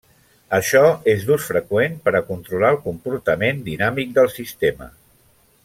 Això és d'ús freqüent per a controlar el comportament dinàmic del sistema.